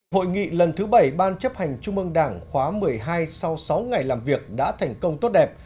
hội nghị lần thứ bảy ban chấp hành trung ương đảng khóa một mươi hai sau sáu ngày làm việc đã thành công tốt đẹp